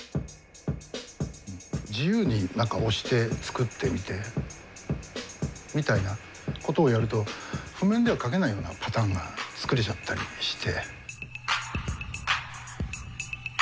自由に何か押して作ってみてみたいなことをやると譜面では書けないようなパターンが作れちゃったりして。